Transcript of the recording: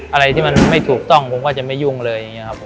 อะไรที่มันไม่ถูกต้องผมก็จะไม่ยุ่งเลยอย่างนี้ครับผม